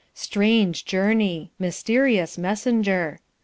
Strange journey! Mysterious messenger!